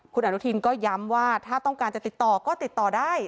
คุณอนุทินก็ย้ำว่าถ้าต้องการจะติดต่อก็ติดต่อได้